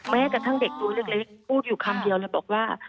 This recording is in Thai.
แม้กระทั่งเด็กตัวเล็กพูดอยู่คำเดียวเลยบอกว่า